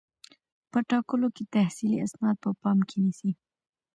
په ټاکلو کې تحصیلي اسناد په پام کې نیسي.